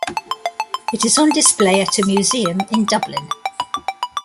It is on display at a museum in Dublin.